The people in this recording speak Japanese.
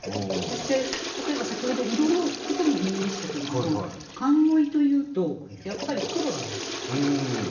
そして例えば先ほど色のことも言いましたけれども「寒鯉」というとやっぱり黒なんですよ。